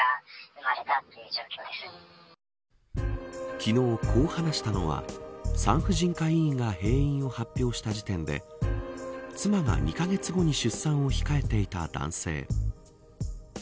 昨日、こう話したのは産婦人科医院が閉院を発表した時点で妻が２カ月後に出産を控えていた男性。